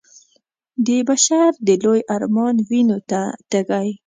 د بشر د لوی ارمان وينو ته تږی